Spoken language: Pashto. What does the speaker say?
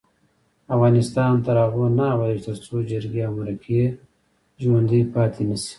افغانستان تر هغو نه ابادیږي، ترڅو جرګې او مرکې ژوڼدۍ پاتې نشي.